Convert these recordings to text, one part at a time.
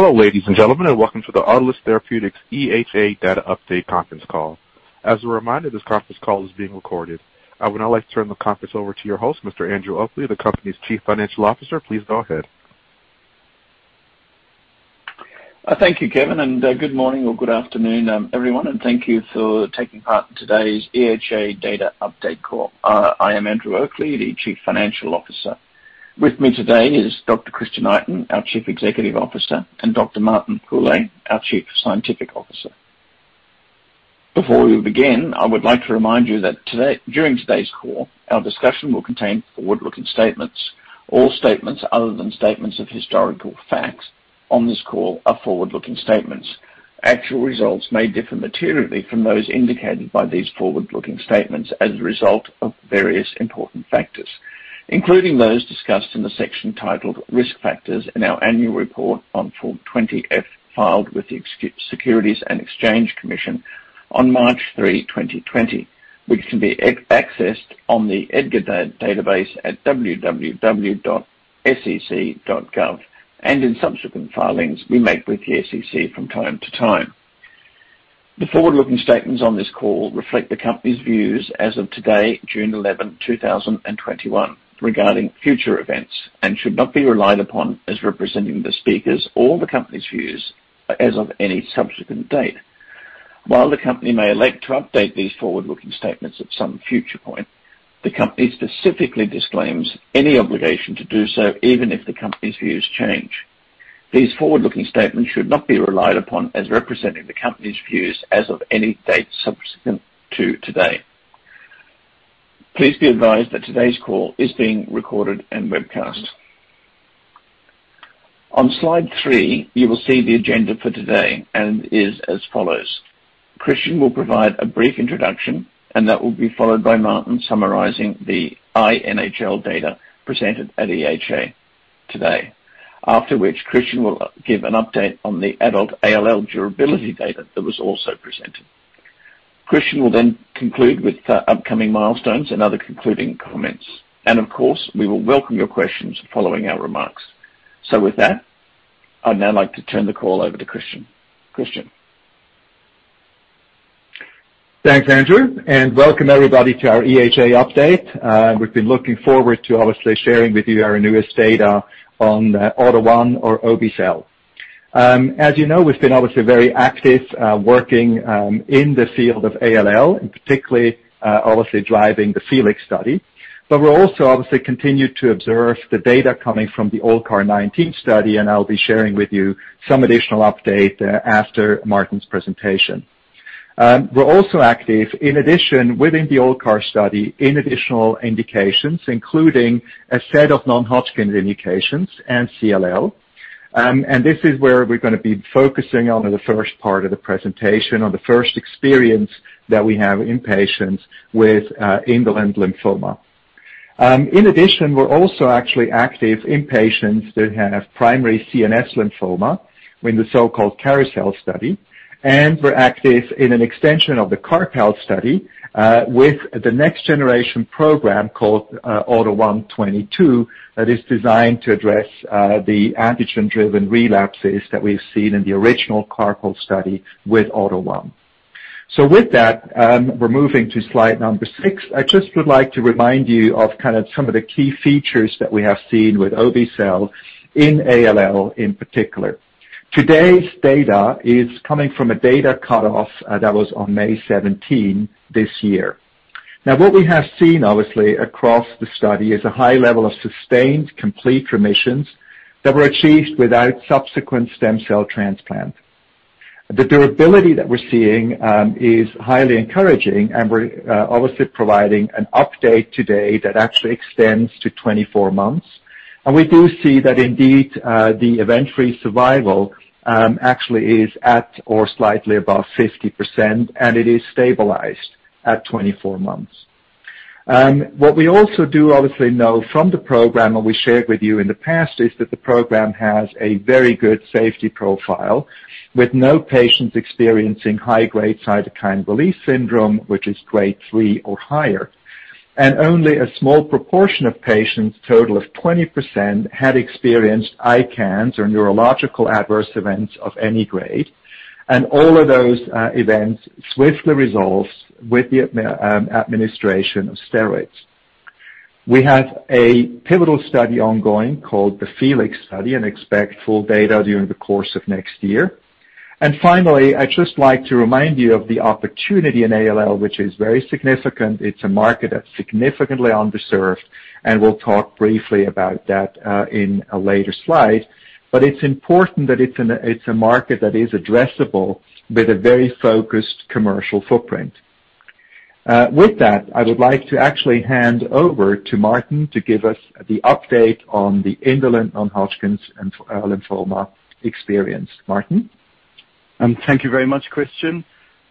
Hello, ladies and gentlemen, welcome to the Autolus Therapeutics EHA Data Update conference call. As a reminder, this conference call is being recorded. I would now like to turn the conference over to your host, Mr. Andrew Oakley, the company's Chief Financial Officer. Please go ahead. Thank you, Kevin, and good morning or good afternoon, everyone, and thank you for taking part in today's EHA Data Update Call. I am Andrew Oakley, the Chief Financial Officer. With me today is Dr. Christian Itin, our Chief Executive Officer, and Dr. Martin Pule, our Chief Scientific Officer. Before we begin, I would like to remind you that during today's call, our discussion will contain forward-looking statements. All statements other than statements of historical facts on this call are forward-looking statements. Actual results may differ materially from those indicated by these forward-looking statements as a result of various important factors, including those discussed in the section titled "Risk Factors" in our annual report on Form 20-F filed with the Securities and Exchange Commission on March 3rd, 2020, which can be accessed on the EDGAR at www.sec.gov, and in subsequent filings we make with the SEC from time to time. The forward-looking statements on this call reflect the company's views as of today, June 11th, 2021, regarding future events, and should not be relied upon as representing the speakers or the company's views as of any subsequent date. While the company may like to update these forward-looking statements at some future point, the company specifically disclaims any obligation to do so even if the company's views change. These forward-looking statements should not be relied upon as representing the company's views as of any date subsequent to today. Please be advised that today's call is being recorded and webcast. On slide three, you will see the agenda for today and is as follows. Christian will provide a brief introduction, and that will be followed by Martin summarizing the NHL data presented at EHA today, after which Christian will give an update on the adult ALL durability data that was also presented. Christian will conclude with the upcoming milestones and other concluding comments. Of course, we will welcome your questions following our remarks. With that, I'd now like to turn the call over to Christian. Christian? Thanks, Andrew, and welcome everybody to our EHA update. We've been looking forward to obviously sharing with you our newest data on AUTO1 or obe-cel. As you know, we've been obviously very active working in the field of ALL, and particularly obviously driving the FELIX study. We'll also obviously continue to observe the data coming from the ALLCAR19 study, and I'll be sharing with you some additional update after Martin's presentation. We're also active, in addition, within the ALLCAR study in additional indications, including a set of Non-Hodgkin's indications and CLL. This is where we're going to be focusing on in the first part of the presentation or the first experience that we have in patients with indolent lymphoma. In addition, we're also actually active in patients that have primary CNS lymphoma in the so-called CARLYSLE study, and we're active in an extension of the CARPALL study with the next generation program called AUTO1/22 that is designed to address the antigen-driven relapses that we've seen in the original CARPALL study with AUTO1. With that, we're moving to slide number six. I just would like to remind you of kind of some of the key features that we have seen with obe-cel in ALL in particular. Today's data is coming from a data cutoff that was on May 17 this year. What we have seen, obviously, across the study is a high level of sustained complete remissions that were achieved without subsequent stem cell transplant. The durability that we're seeing is highly encouraging, and we're obviously providing an update today that actually extends to 24 months. We do see that indeed, the event-free survival actually is at or slightly above 50%, and it is stabilized at 24 months. What we also do obviously know from the program, and we shared with you in the past, is that the program has a very good safety profile with no patients experiencing high-grade cytokine release syndrome, which is grade 3 or higher. Only a small proportion of patients, total of 20%, had experienced ICANS or neurological adverse events of any grade, and all of those events swiftly resolved with the administration of steroids. We have a pivotal study ongoing called the FELIX study and expect full data during the course of next year. Finally, I'd just like to remind you of the opportunity in ALL, which is very significant. It's a market that's significantly underserved, and we'll talk briefly about that in a later slide. It's important that it's a market that is addressable with a very focused commercial footprint. With that, I would like to actually hand over to Martin to give us the update on the indolent Non-Hodgkin's and lymphoma experience. Martin? Thank you very much, Christian.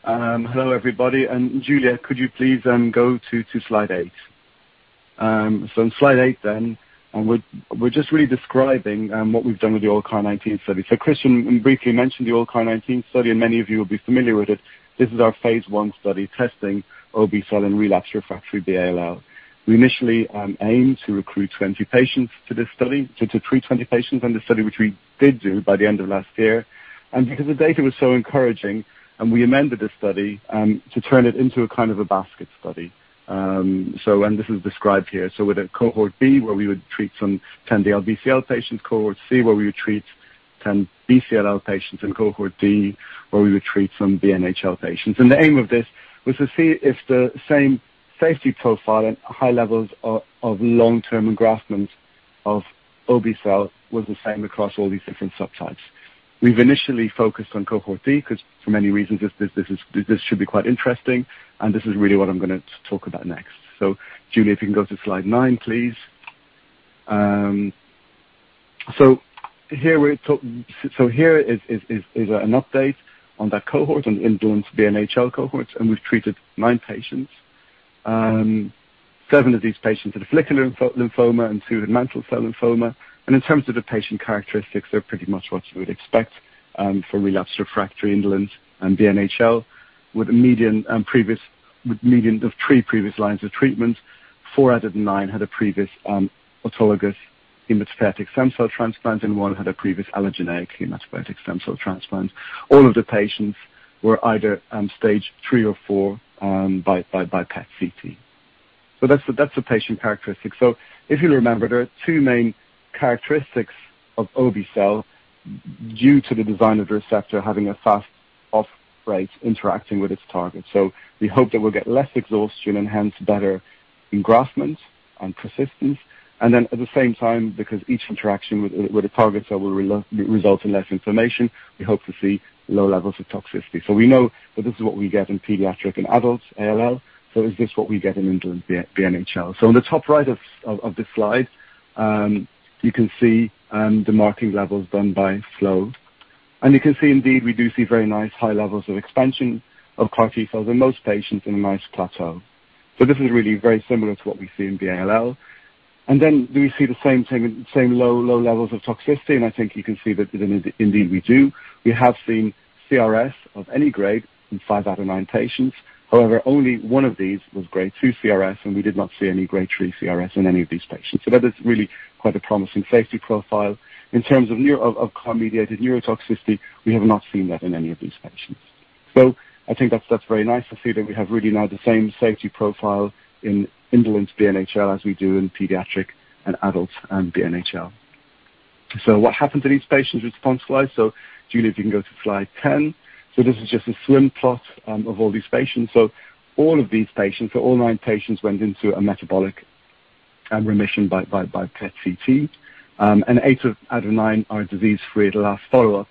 Hello, everybody. Julia, could you please go to slide eight? Slide eight. We're just really describing what we've done with the ALLCAR19 study. Christian briefly mentioned the ALLCAR19 study. Many of you will be familiar with it. This is our phase I study testing obe-cel in relapse refractory ALL. We initially aimed to recruit 20 patients to this study. To treat 20 patients on this study, which we did do by the end of last year. Because the data was so encouraging, and we amended the study to turn it into a kind of a basket study. This is described here. With a cohort B, where we would treat some 10 DLBCL patients, cohort C, where we would treat 10 MCL patients, and cohort D, where we would treat some B-NHL patients. The aim of this was to see if the same safety profile and high levels of long-term engraftment of obe-cel was the same across all these different subtypes. We've initially focused on cohort D because for many reasons, this should be quite interesting, and this is really what I'm going to talk about next. Julia, if you can go to slide nine, please. Here is an update on that cohort, on indolent B-NHL cohort, and we've treated nine patients. Seven of these patients had follicular lymphoma and two with mantle cell lymphoma. In terms of the patient characteristics, they're pretty much what you would expect for relapse refractory indolent and B-NHL with a median of three previous lines of treatment. four out of nine had a previous autologous hematopoietic stem cell transplant, and 1 had a previous allogeneic hematopoietic stem cell transplant. All of the patients were either stage 3 or 4 by PET-CT. That's the patient characteristics. If you remember, there are two main characteristics of obe-cel due to the design of the receptor having a fast off rate interacting with its target. We hope that we'll get less exhaustion and hence better engraftment and persistence. Then at the same time, because each interaction with a target cell will result in less inflammation, we hope to see low levels of toxicity. We know that this is what we get in pediatric and adult ALL. Is this what we get in indolent B-NHL? On the top right of this slide, you can see the marking levels done by flow. You can see indeed, we do see very nice high levels of expansion of CAR T-cells in most patients in a nice plateau. This is really very similar to what we see in ALL. Then do we see the same low levels of toxicity? I think you can see that indeed we do. We have seen CRS of any grade in five out of nine patients. However, only one of these was grade 2 CRS, and we did not see any grade 3 CRS in any of these patients. That is really quite a promising safety profile. In terms of CAR-mediated neurotoxicity, we have not seen that in any of these patients. I think that's very nice to see that we have really now the same safety profile in indolent B-NHL as we do in pediatric and adult ALL and B-NHL. What happened to these patients response-wise? Julia if you can go to slide 10. This is just a swim plot of all these patients. All of these patients, all nine patients went into a metabolic remission by PET-CT, and eight out of nine are disease-free at the last follow-up.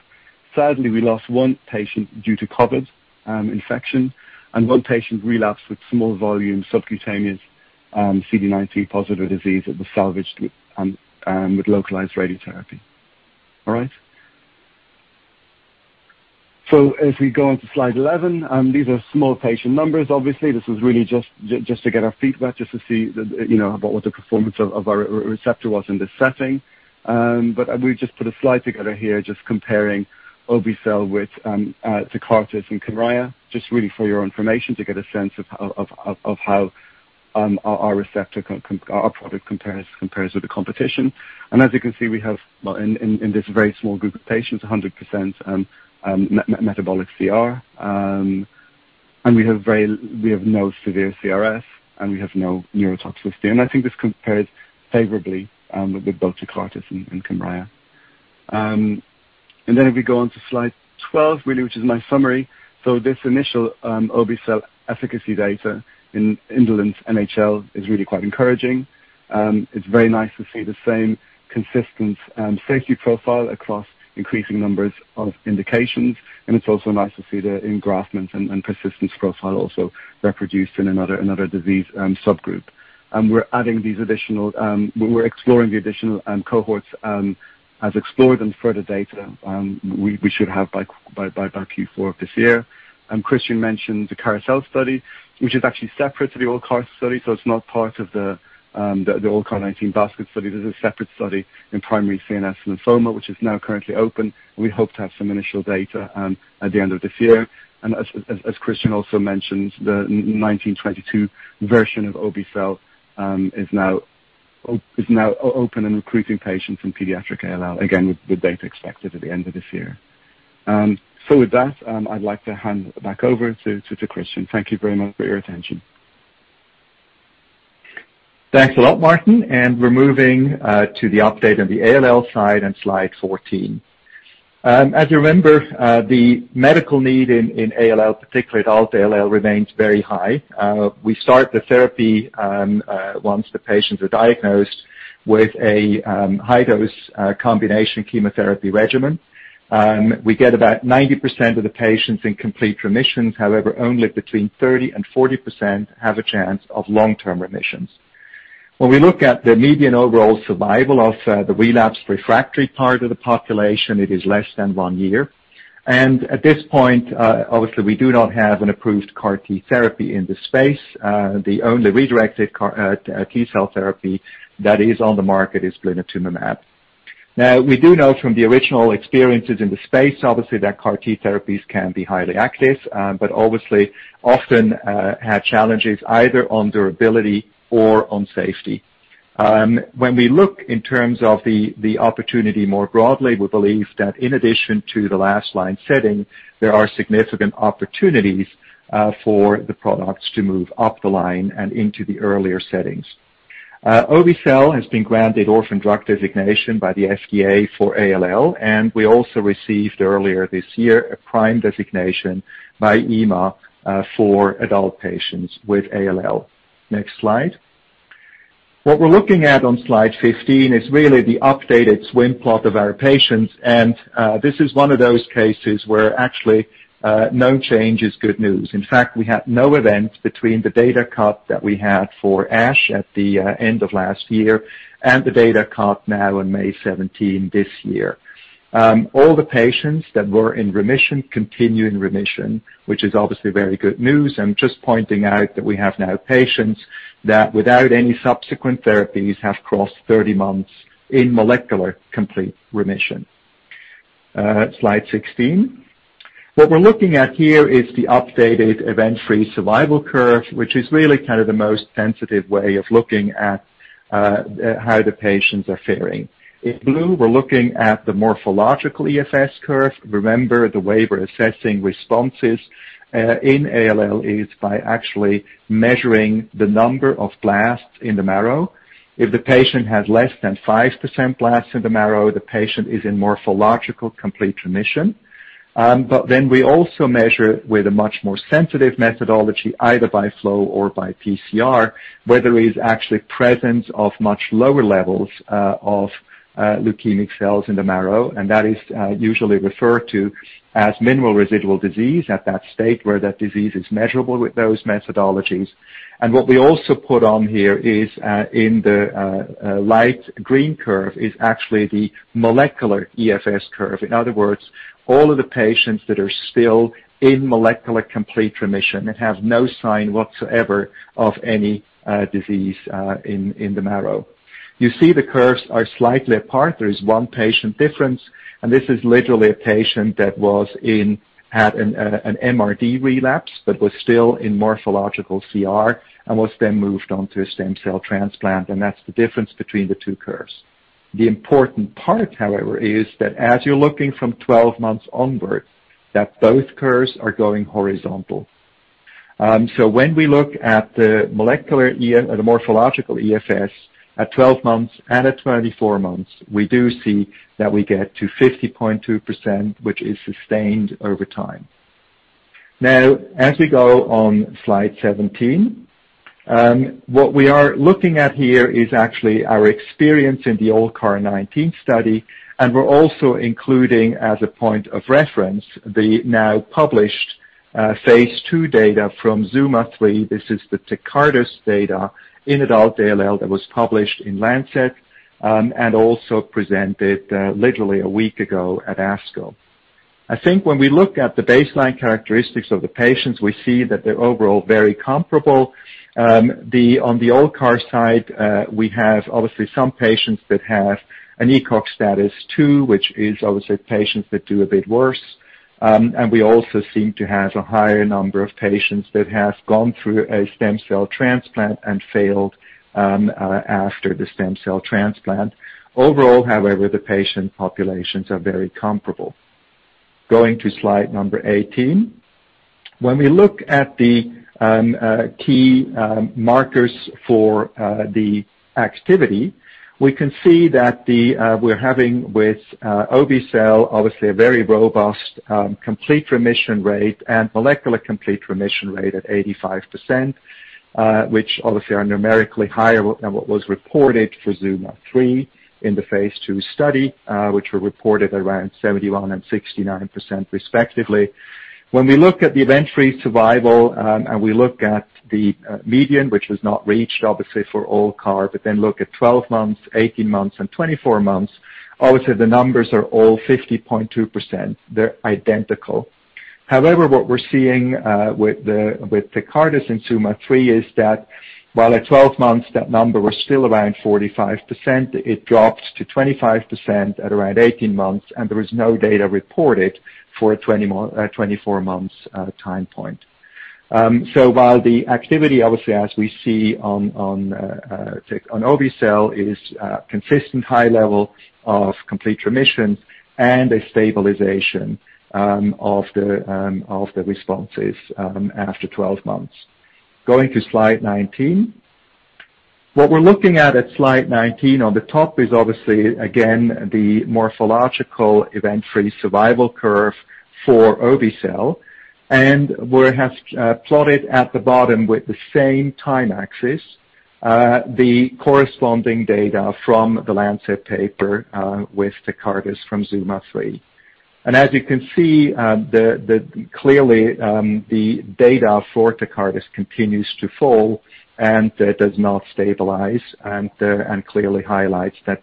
Sadly, we lost one patient due to COVID infection and one patient relapsed with small volume subcutaneous CD19 positive disease that was salvaged with localized radiotherapy. All right. If we go on to slide 11, and these are small patient numbers, obviously. This was really just to get our feet wet, just to see what the performance of our receptor was in this setting. We just put a slide together here just comparing obe-cel with Tecartus and Kymriah, just really for your information to get a sense of how our product compares to the competition. As you can see, we have in this very small group of patients, 100% metabolic CR. We have no severe CRS, and we have no neurotoxicity. I think this compares favorably with both Tecartus and Kymriah. If we go on to slide 12, really, which is my summary. This initial obe-cel efficacy data in indolent NHL is really quite encouraging. It's very nice to see the same consistent safety profile across increasing numbers of indications. It's also nice to see the engraftment and persistence profile also reproduced in another disease subgroup. We're exploring the additional cohorts as explored in further data we should have by Q4 of this year. Christian mentioned the CARLYSLE study, which is actually separate to the ALLCAR study. It's not part of the ALLCAR19 basket study. This is a separate study in primary CNS lymphoma, which is now currently open. We hope to have some initial data at the end of this year. As Christian also mentioned, the AUTO1/22 version of obe-cel is now open and recruiting patients in pediatric ALL. Again, with data expected at the end of this year. With that, I'd like to hand it back over to Christian. Thank you very much for your attention. Thanks a lot, Martin. We're moving to the update on the ALL side on slide 14. As you remember, the medical need in ALL, particularly adult ALL, remains very high. We start the therapy once the patients are diagnosed with a high dose combination chemotherapy regimen. We get about 90% of the patients in complete remissions. However, only between 30% and 40% have a chance of long-term remissions. When we look at the median overall survival of the relapsed refractory part of the population, it is less than one year. At this point, obviously, we do not have an approved CAR T therapy in this space. The only redirected T-cell therapy that is on the market is blinatumomab. Now, we do know from the original experiences in the space, obviously, that CAR T therapies can be highly active but obviously often have challenges either on durability or on safety. When we look in terms of the opportunity more broadly, we believe that in addition to the last line setting, there are significant opportunities for the products to move up the line and into the earlier settings. obe-cel has been granted orphan drug designation by the FDA for ALL, and we also received earlier this year a PRIME designation by EMA for adult patients with ALL. Next slide. What we're looking at on slide 15 is really the updated swim plot of our patients, and this is one of those cases where actually no change is good news. In fact, we had no events between the data cut that we had for ASH at the end of last year and the data cut now on May 17 this year. All the patients that were in remission continue in remission, which is obviously very good news. I'm just pointing out that we have now patients that without any subsequent therapies have crossed 30 months in molecular complete remission. Slide 16. What we're looking at here is the updated event-free survival curve, which is really the most sensitive way of looking at how the patients are faring. In blue, we're looking at the morphological EFS curve. Remember, the way we're assessing responses in ALL is by actually measuring the number of blasts in the marrow. If the patient has less than 5% blasts in the marrow, the patient is in morphological complete remission. We also measure with a much more sensitive methodology, either by flow or by PCR, whether it is actually present of much lower levels of leukemic cells in the marrow, and that is usually referred to as minimal residual disease at that state where that disease is measurable with those methodologies. What we also put on here is, in the light green curve, is actually the molecular EFS curve. In other words, all of the patients that are still in molecular complete remission and have no sign whatsoever of any disease in the marrow. You see the curves are slightly apart. There is one patient difference, this is literally a patient that had an MRD relapse but was still in morphological CR and was then moved on to a stem cell transplant, and that's the difference between the two curves. The important part, however, is that as you're looking from 12 months onwards, that both curves are going horizontal. When we look at the morphological EFS at 12 months and at 24 months, we do see that we get to 50.2%, which is sustained over time. As we go on slide 17, what we are looking at here is actually our experience in the ALLCAR19 study. We're also including as a point of reference, the now published phase II data from ZUMA-3. This is the Tecartus data in adult ALL that was published in Lancet, and also presented literally a week ago at ASCO. I think when we look at the baseline characteristics of the patients, we see that they're overall very comparable. On the ALLCAR side, we have obviously some patients that have an ECOG status 2, which is obviously patients that do a bit worse. We also seem to have a higher number of patients that have gone through a stem cell transplant and failed after the stem cell transplant. Overall, however, the patient populations are very comparable. Going to slide number 18. When we look at the key markers for the activity, we can see that we're having with obe-cel, obviously a very robust complete remission rate and molecular complete remission rate at 85%, which obviously are numerically higher than what was reported for ZUMA-3 in the phase II study, which were reported around 71% and 69% respectively. When we look at the event-free survival, and we look at the median, which was not reached, obviously, for ALLCAR, but then look at 12 months, 18 months, and 24 months, obviously the numbers are all 50.2%. They're identical. However, what we're seeing with Tecartus in ZUMA-3 is that while at 12 months, that number was still around 45%, it drops to 25% at around 18 months, and there is no data reported for a 24 months time point. While the activity, obviously, as we see on obe-cel, is a consistent high level of complete remission and a stabilization of the responses after 12 months. Going to slide 19. What we're looking at slide 19 on the top is obviously, again, the morphological event-free survival curve for obe-cel, and we have plotted at the bottom with the same time axis, the corresponding data from The Lancet paper with Tecartus from ZUMA-3. As you can see, clearly the data for Tecartus continues to fall and does not stabilize and clearly highlights that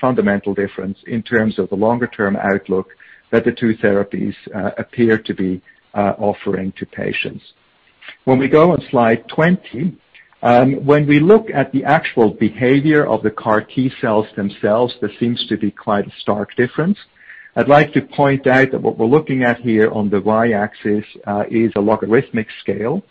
fundamental difference in terms of the longer-term outlook that the two therapies appear to be offering to patients. When we go on slide 20, when we look at the actual behavior of the CAR T cells themselves, there seems to be quite a stark difference. I'd like to point out that what we're looking at here on the y-axis is a logarithmic scale.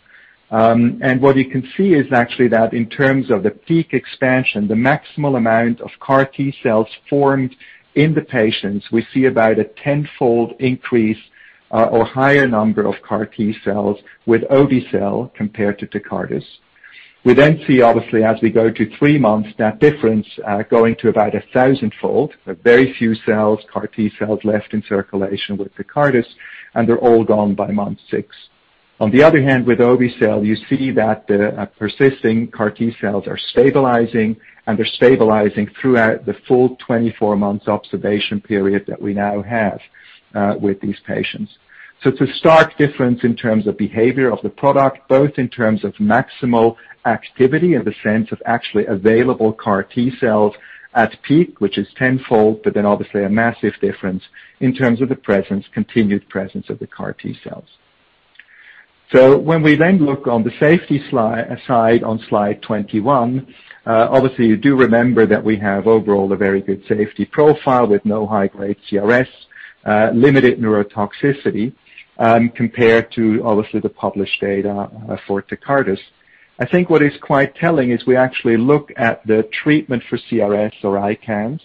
What you can see is actually that in terms of the peak expansion, the maximal amount of CAR T cells formed in the patients, we see about a tenfold increase or higher number of CAR T cells with obe-cel compared to Tecartus. We then see, obviously, as we go to three months, that difference going to about a thousandfold, with very few CAR T cells left in circulation with Tecartus, and they're all gone by month six. On the other hand, with obe-cel, you see that the persisting CAR T cells are stabilizing, and they're stabilizing throughout the full 24-month observation period that we now have with these patients. It's a stark difference in terms of behavior of the product, both in terms of maximal activity, in the sense of actually available CAR T cells at peak, which is 10-fold, obviously a massive difference in terms of the continued presence of the CAR T cells. When we look on the safety side on Slide 21, obviously you do remember that we have overall a very good safety profile with no high-grade CRS, limited neurotoxicity, compared to obviously the published data for Tecartus. I think what is quite telling is we actually look at the treatment for CRS or ICANS,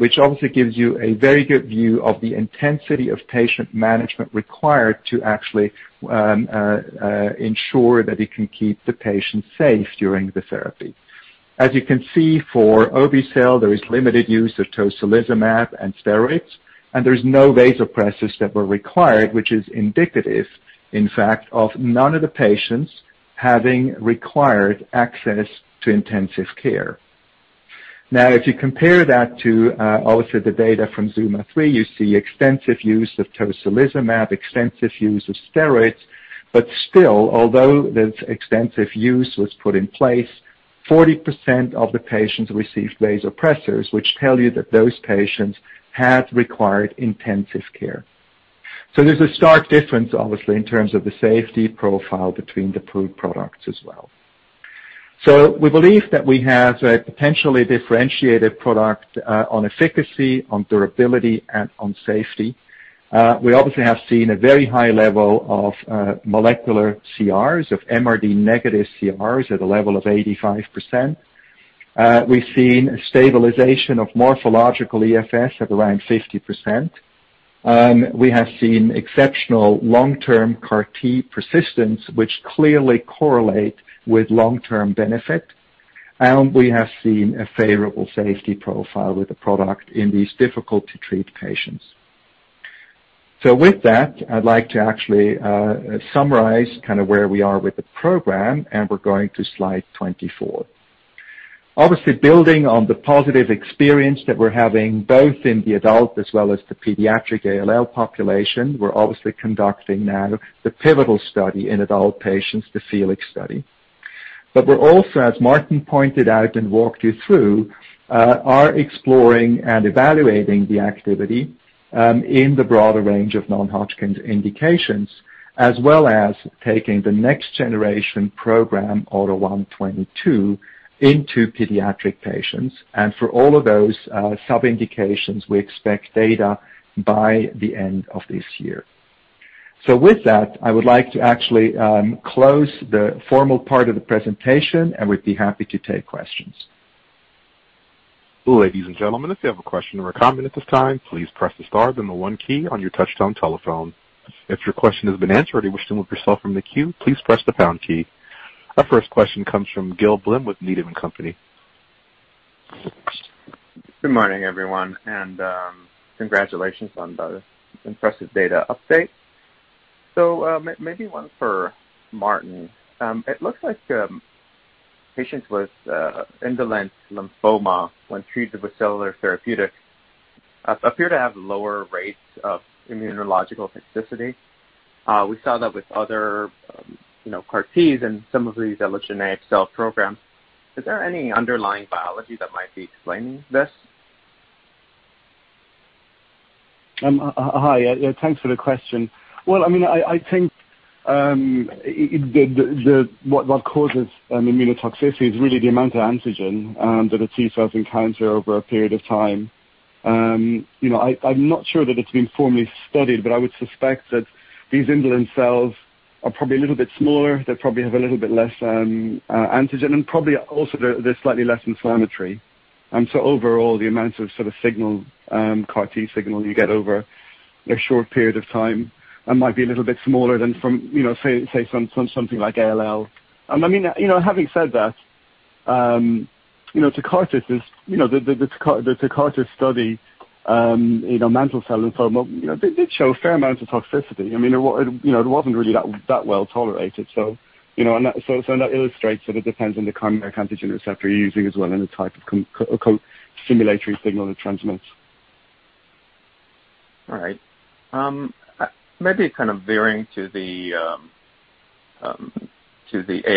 which obviously gives you a very good view of the intensity of patient management required to actually ensure that it can keep the patient safe during the therapy. As you can see, for obe-cel, there is limited use of tocilizumab and steroids, and there's no vasopressors that were required, which is indicative, in fact, of none of the patients having required access to intensive care. If you compare that to also the data from ZUMA-3, you see extensive use of tocilizumab, extensive use of steroids. Still, although the extensive use was put in place, 40% of the patients received vasopressors, which tell you that those patients have required intensive care. There's a stark difference, obviously, in terms of the safety profile between the two products as well. We believe that we have a potentially differentiated product on efficacy, on durability, and on safety. We obviously have seen a very high level of molecular CRs, of MRD negative CRs, at a level of 85%. We've seen stabilization of morphological EFS at around 50%. We have seen exceptional long-term CAR T persistence, which clearly correlate with long-term benefit. We have seen a favorable safety profile with the product in these difficult-to-treat patients. With that, I'd like to actually summarize where we are with the program, and we're going to slide 24. Obviously, building on the positive experience that we're having both in the adult as well as the pediatric ALL population, we're obviously conducting now the pivotal study in adult patients, the FELIX study. We're also, as Martin pointed out and walked you through, are exploring and evaluating the activity in the broader range of non-Hodgkin's indications, as well as taking the next generation program, AUTO1/22, into pediatric patients. For all of those sub-indications, we expect data by the end of this year. With that, I would like to actually close the formal part of the presentation, and we'd be happy to take questions. Our first question comes from Gil Blum with Needham & Company. Good morning, everyone, and congratulations on the impressive data update. Maybe one for Martin. It looks like patients with indolent lymphoma, when treated with cellular therapeutics, appear to have lower rates of immunological toxicity. We saw that with other CAR Ts and some of the allogeneic cell programs. Is there any underlying biology that might be explaining this? Hi. Thanks for the question. Well, I think what causes immunotoxicity is really the amount of antigen that a T cell encounters over a period of time. I'm not sure that it's been formally studied, but I would suspect that these indolent cells are probably a little bit smaller. They probably have a little bit less antigen, and probably also they're slightly less inflammatory. Overall, the amount of CAR T signal you get over a short period of time might be a little bit smaller than from, say, something like ALL. Having said that, the Tecartus study in Mantle Cell Lymphoma did show a fair amount of toxicity. It wasn't really that well-tolerated. It also illustrates that it depends on the kind of antigen receptor you're using as well, and the type of stimulatory signal it transmits. All right. Maybe kind of veering to the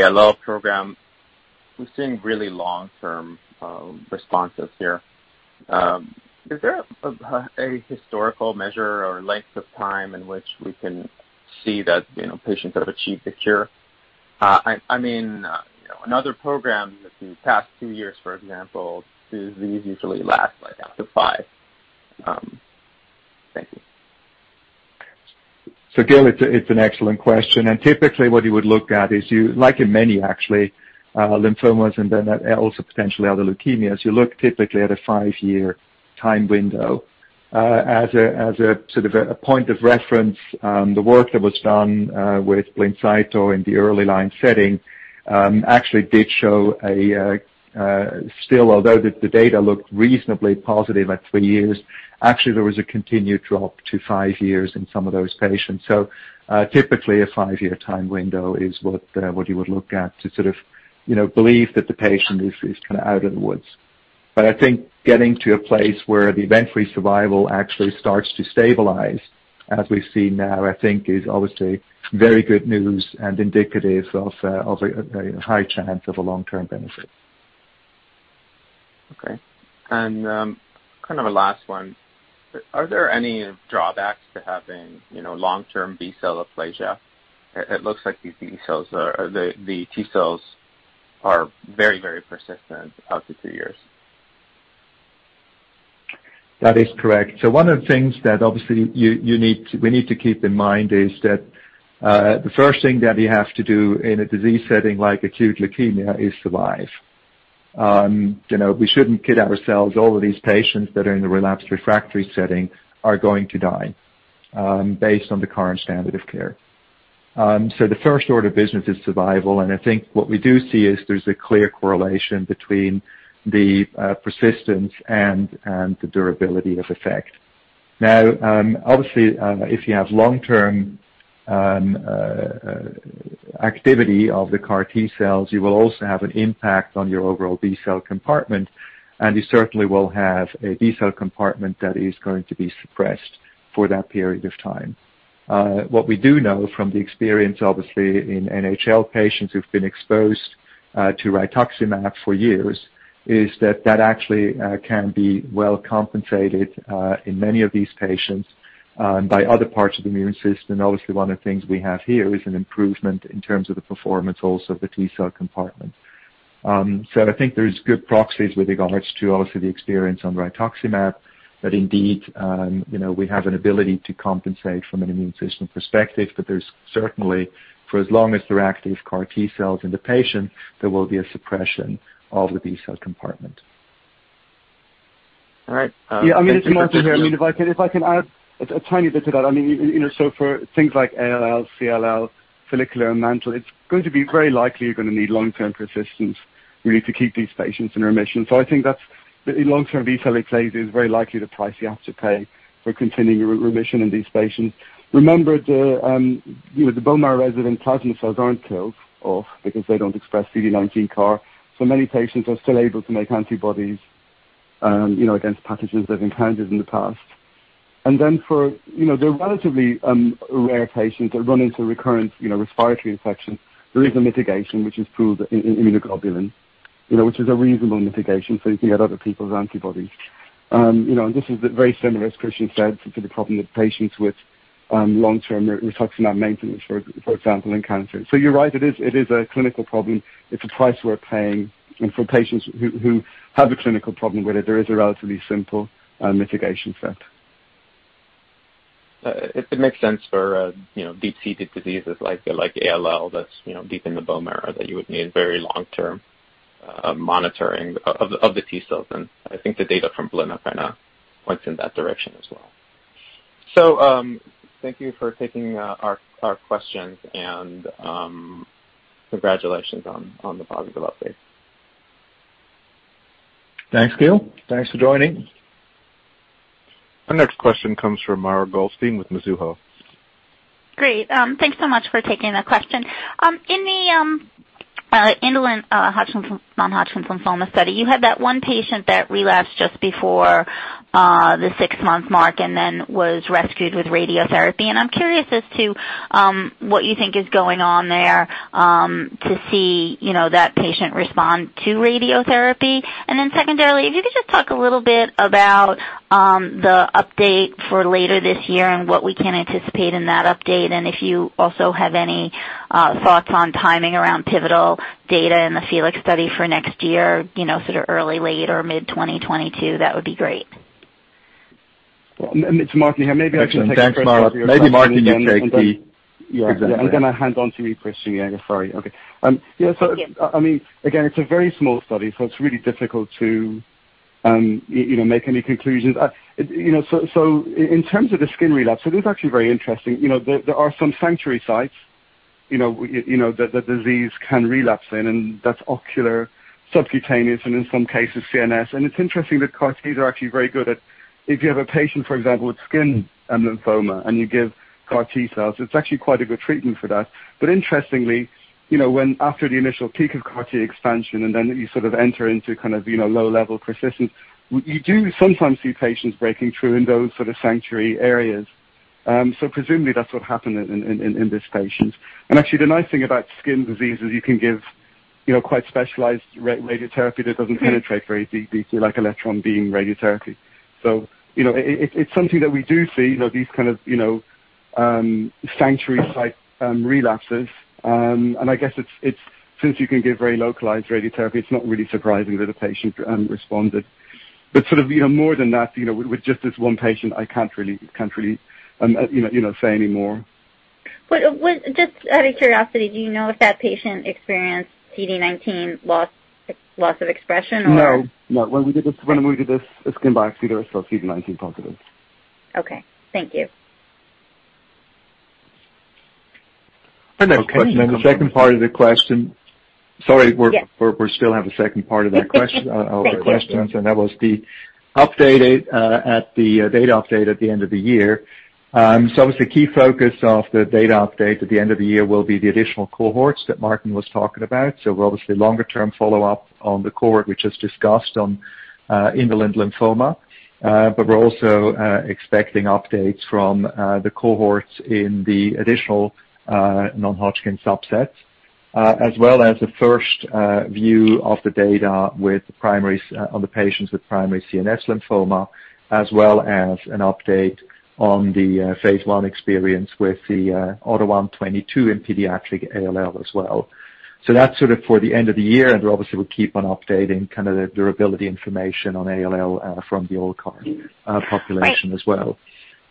ALL program. We're seeing really long-term responses here. Is there a historical measure or length of time in which we can see that patients have achieved a cure? In other programs, the past two years, for example, do these usually last up to five? Thank you. Gil, it's an excellent question. Typically what you would look at is you, like in many actually, lymphomas and then also potentially other leukemias, you look typically at a five-year time window. As a sort of a point of reference, the work that was done with BLINCYTO in the early line setting actually did show a still although the data looked reasonably positive at three years, actually, there was a continued drop to five years in some of those patients. Typically a five-year time window is what you would look at to sort of believe that the patient is kind of out of the woods. I think getting to a place where the event-free survival actually starts to stabilize, as we see now, I think is obviously very good news and indicative of a very high chance of a long-term benefit. Okay. Kind of a last one, are there any drawbacks to having long-term B-cell aplasia? It looks like the T-cells are very persistent out to two years. That is correct. One of the things that obviously we need to keep in mind is that the first thing that we have to do in a disease setting like acute leukemia is survive. We shouldn't kid ourselves. All of these patients that are in the relapsed refractory setting are going to die based on the current standard of care. The first order of business is survival, and I think what we do see is there's a clear correlation between the persistence and the durability of effect. Now, obviously, if you have long-term activity of the CAR T cells, you will also have an impact on your overall B-cell compartment, and you certainly will have a B-cell compartment that is going to be suppressed for that period of time. What we do know from the experience, obviously, in NHL patients who've been exposed to rituximab for years is that that actually can be well compensated in many of these patients by other parts of the immune system. Obviously, one of the things we have here is an improvement in terms of the performance also of the T-cell compartment. I think there's good proxies with regards to obviously the experience on rituximab that indeed we have an ability to compensate from an immune system perspective. There's certainly, for as long as there are active CAR T cells in the patient, there will be a suppression of the B-cell compartment. All right. Yeah, I mean, if you want to hear, if I can add a tiny bit to that. For things like ALL, CLL, follicular, and mantle, it's going to be very likely you're going to need long-term persistence really to keep these patients in remission. I think that long-term B-cell aplasia is very likely the price you have to pay for continuing remission in these patients. Remember, the bone marrow-resident plasma cells aren't killed off because they don't express CD19 CAR. Many patients are still able to make antibodies against pathogens they've encountered in the past. For the relatively rare patients that run into recurrent respiratory infections, there is a mitigation, which is through the immunoglobulin which is a reasonable mitigation. You can get other people's antibodies. This is very similar, as Christian said, to the problem with patients with long-term rituximab maintenance, for example, in cancer. You're right, it is a clinical problem. It's a price we're paying. For patients who have a clinical problem with it, there is a relatively simple mitigation set. It makes sense for deep-seated diseases like ALL that's deep in the bone marrow, that you would need very long-term monitoring of the T-cells. I think the data from blinatumomab points in that direction as well. Thank you for taking our questions, and congratulations on the positive update. Thanks, Gil. Thanks for joining. Our next question comes from Mara Goldstein with Mizuho. Great. Thanks so much for taking the question. In the indolent Non-Hodgkin's Lymphoma study, you had that one patient that relapsed just before the six-month mark and then was rescued with radiotherapy. I'm curious as to what you think is going on there to see that patient respond to radiotherapy. Secondarily, if you could just talk a little bit about the update for later this year and what we can anticipate in that update, if you also have any thoughts on timing around pivotal data in the FELIX study for next year, sort of early, late or mid-2022, that would be great. It's Martin here. Maybe I can. Thanks, Mara. Maybe Martin, you take the.. Yeah. Exactly. I'm going to hand on to you, Christian. Yeah, sorry. Okay. Yeah. Thank you. Again, it's a very small study, so it's really difficult to make any conclusions. In terms of the skin relapse, it is actually very interesting. There are some sanctuary sites the disease can relapse in, and that's ocular, subcutaneous, and in some cases, CNS. It's interesting that CAR T's are actually very good at if you have a patient, for example, with skin lymphoma and you give CAR T cells, it's actually quite a good treatment for that. Interestingly, when after the initial peak of CAR T expansion and then you sort of enter into kind of low-level persistence, you do sometimes see patients breaking through in those sort of sanctuary areas. Presumably that's what happened in this patient. Actually, the nice thing about skin disease is you can give quite specialized radiotherapy that doesn't penetrate very deeply, through electron beam radiotherapy. It's something that we do see, these kind of sanctuary-site relapses. I guess since you can give very localized radiotherapy, it's not really surprising that a patient responded. Sort of more than that, with just this one patient, I can't really say anymore. Just out of curiosity, do you know if that patient experienced CD19 loss of expression. No. When we did the skin biopsy, they were still CD19 positive. Okay. Thank you. The next question. The second part of the question. Sorry, we still have a second part of that question. Great question. of our questions, and that was the data update at the end of the year. Obviously, key focus of the data update at the end of the year will be the additional cohorts that Martin Pule was talking about. Obviously longer-term follow-up on the cohort we just discussed on indolent lymphoma. We're also expecting updates from the cohorts in the additional Non-Hodgkin's subsets, as well as a first view of the data on the patients with Primary CNS lymphoma, as well as an update on the phase I experience with the AUTO1/22 in pediatric ALL as well. That's sort of for the end of the year, and obviously we'll keep on updating the durability information on ALL from the old population as well.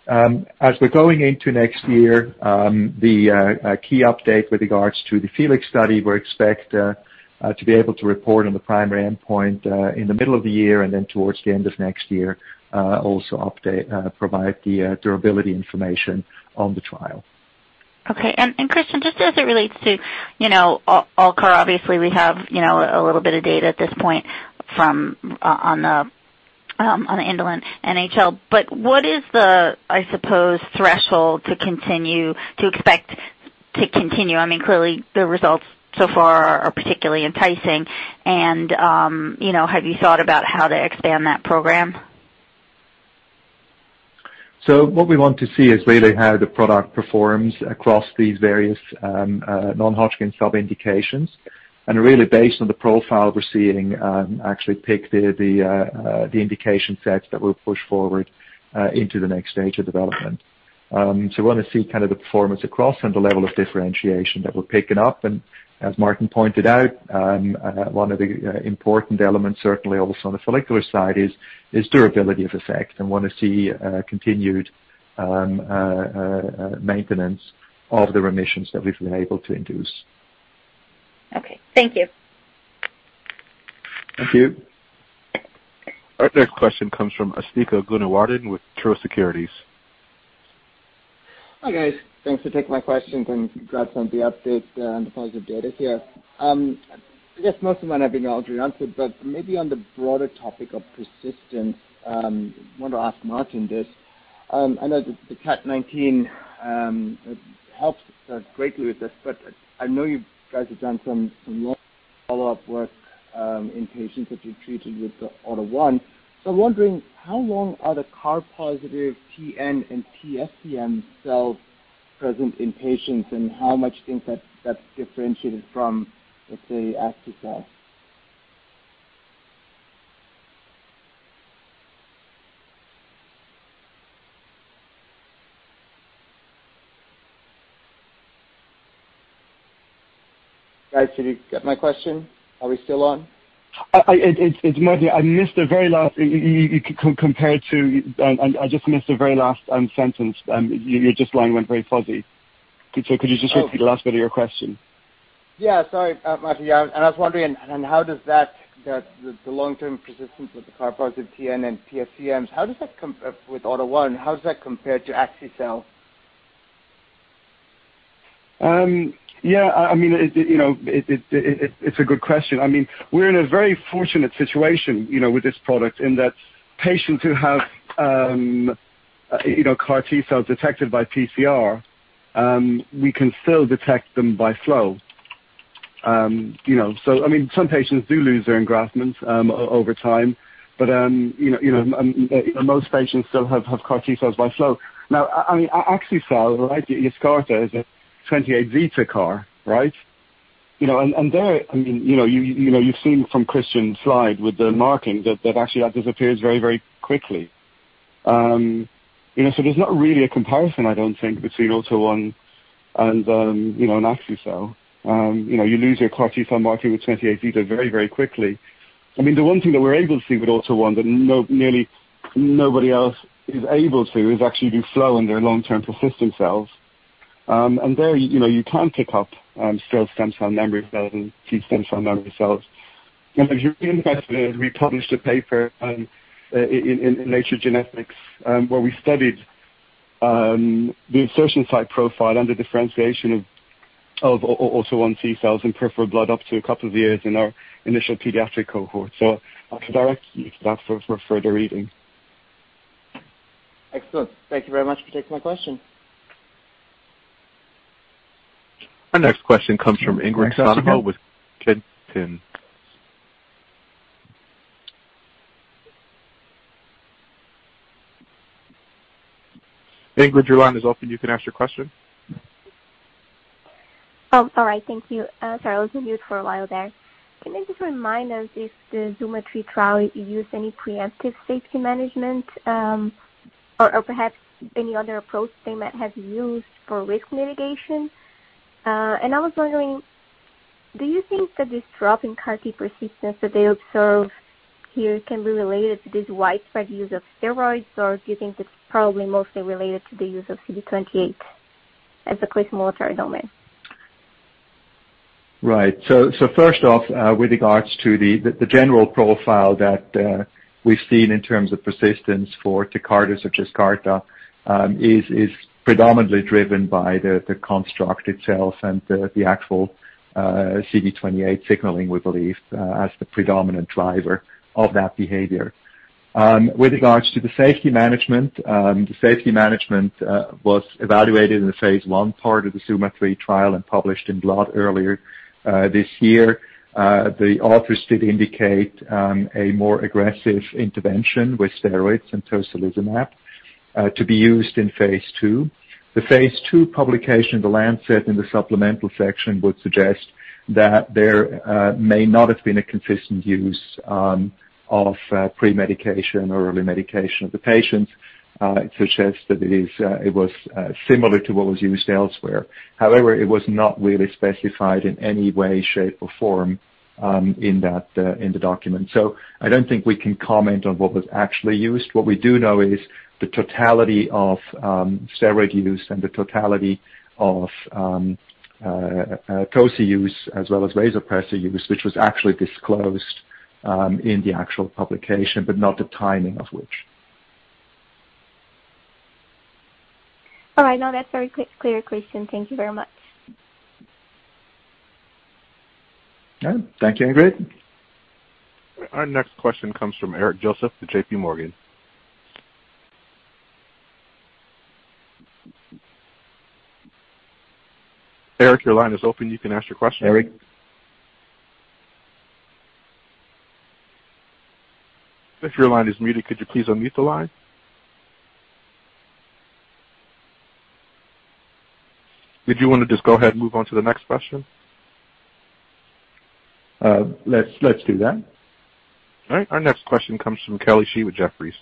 Right. As we're going into next year, the key update with regards to the FELIX study, we expect to be able to report on the primary endpoint in the middle of the year and then towards the end of next year, also provide the durability information on the trial. Okay. Christian, just as it relates to ALLCAR, obviously, we have a little bit of data at this point on the indolent NHL. What is the, I suppose, threshold to expect to continue? Clearly, the results so far are particularly enticing. Have you thought about how to expand that program? What we want to see is really how the product performs across these various non-Hodgkin sub-indications. Really based on the profile we're seeing, actually pick the indication sets that we'll push forward into the next stage of development. We want to see the performance across and the level of differentiation that we're picking up. As Martin pointed out, one of the important elements certainly also on the follicular side is durability of effect, and want to see continued maintenance of the remissions that we've been able to induce. Okay. Thank you. Thank you. Our next question comes from Asthika Goonewardene with Truist Securities. Hi, guys. Thanks for taking my questions and congrats on the updates and the positive data here. I guess most of mine have been already answered, but maybe on the broader topic of persistence, I want to ask Martin this. I know the CAR T19 helps greatly with this, but I know you guys have done some long follow-up work in patients that you've treated with the AUTO1. I'm wondering how long are the CAR-positive TN and TSCM cells present in patients, and how much do you think that's differentiated from, let's say, Axi-cel? Guys, did you get my question? Are we still on? Asthika, I missed the very last. I just missed the very last sentence. Your last line went very fuzzy. Could you just repeat the last bit of your question? Yeah, sorry, Martin. I was wondering, the long-term persistence with the CAR positive TN and TSCMs, with AUTO1, how does that compare to Axi-cel? Yeah. It's a good question. We're in a very fortunate situation with this product in that patients who have CAR T-cells detected by PCR, we can still detect them by flow. Some patients do lose their engraftments over time. Most patients still have CAR T-cells by flow. Now, Axi-cel, YESCARTA, is a CD28-zeta CAR, right? There, you've seen from Christian's slide with the marking that actually that disappears very quickly. There's not really a comparison, I don't think, between AUTO1 and an Axi-cel. You lose your CAR T-cell marking with CD28-zeta very quickly. The one thing that we're able to see with AUTO1 that nearly nobody else is able to is actually do flow in their long-term persistent cells. There you can pick up still stem cell memory cells and T stem cell memory cells. If you're really interested, we published a paper in Nature Medicine, where we studied the insertion site profile and the differentiation of AUTO1 T-cells in peripheral blood up to two years in our initial pediatric cohort. I could direct you to that for further reading. Excellent. Thank you very much for taking my question. Our next question comes from Ingrid Rombouts with Kempen. Ingrid, your line is open. You can ask your question. Oh, sorry. Thank you. Sorry, I was on mute for a while there. Can you just remind us if the ZUMA-33 trial used any preemptive safety management, or perhaps any other approach that has been used for risk mitigation? I was wondering, do you think that this drop in CAR T persistence that you observe here can be related to this widespread use of steroids, or do you think it's probably mostly related to the use of CD28 as a CD28-zeta? Right. First off, with regards to the general profile that we've seen in terms of persistence for Tecartus or Tecartus is predominantly driven by the construct itself and the actual CD28 signaling, we believe, as the predominant driver of that behavior. With regards to the safety management, the safety management was evaluated in the Phase I part of the ZUMA-3 trial and published in Blood earlier this year. The authors did indicate a more aggressive intervention with steroids and tocilizumab to be used in Phase II. The Phase II publication in The Lancet in the supplemental section would suggest that there may not have been a consistent use of pre-medication or early medication of the patients. It suggests that it was similar to what was used elsewhere. However, it was not really specified in any way, shape, or form in the document. I don't think we can comment on what was actually used. What we do know is the totality of steroid use and the totality of toci use, as well as vasopressor use, which was actually disclosed in the actual publication, but not the timing of which. All right. No, that's very clear, Christian. Thank you very much. Yeah. Thank you, Ingrid. Our next question comes from Eric Joseph of J.P. Morgan. Eric, your line is open. You can ask your question. Eric, your line is muted. Could you please unmute the line? Did you want to just go ahead and move on to the next question? Let's do that. All right. Our next question comes from Kelly Shi with Jefferies.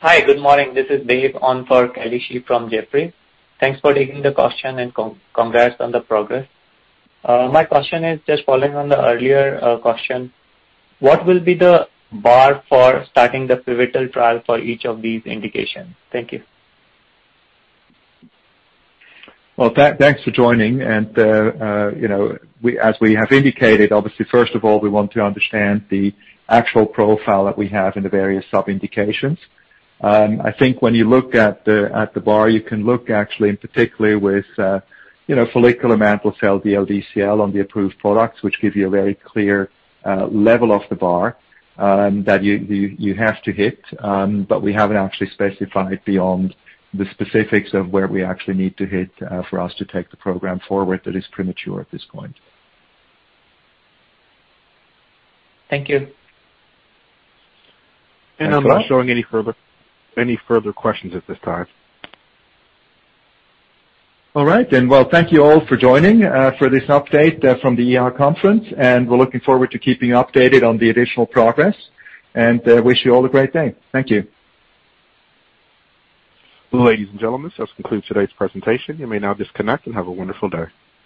Hi, good morning. This is Dave on for Kelly Shi from Jefferies. Thanks for taking the question and congrats on the progress. My question is just following on the earlier question. What will be the bar for starting the pivotal trial for each of these indications? Thank you. Well, thanks for joining. As we have indicated, obviously, first of all, we want to understand the actual profile that we have in the various sub-indications. I think when you look at the bar, you can look actually in particular with follicular mantle cell DLBCL on the approved products, which give you a very clear level of the bar that you have to hit. We haven't actually specified beyond the specifics of where we actually need to hit for us to take the program forward. That is premature at this point. Thank you. I'm not showing any further questions at this time. All right. Well, thank you all for joining for this update from the EHA Conference, and we're looking forward to keeping updated on the additional progress and wish you all a great day. Thank you. Ladies and gentlemen, this concludes today's presentation. You may now disconnect and have a wonderful day.